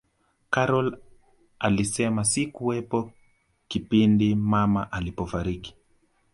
karol alisema sikuwepo kipindi mama alipofariki